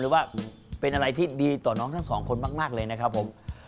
ว่าเป็นอะไรที่ดีต่อน้องทั้งสองคนมากเลยนะครับผม